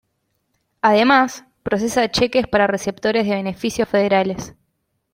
Además, procesa cheques para receptores de beneficios federales.